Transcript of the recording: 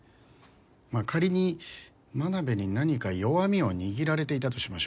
まあ仮に真鍋に何か弱みを握られていたとしましょう。